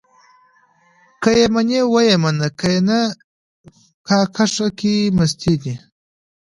که يې منې ويې منه؛ که نه په کاکښه کې مستې دي.